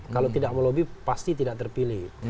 kalau tidak melobi pasti tidak terpilih